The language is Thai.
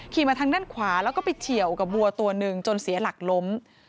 มาทางด้านขวาแล้วก็ไปเฉียวกับวัวตัวหนึ่งจนเสียหลักล้ม